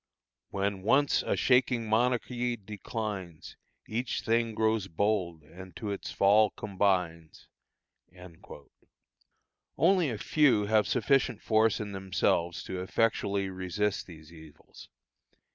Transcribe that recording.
"When once a shaking monarchy declines, Each thing grows bold and to its fall combines." Only a very few have sufficient force in themselves to effectually resist these evils.